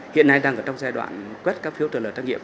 hiện nay đang ở trong giai đoạn quét các phiếu trả lời trách nhiệm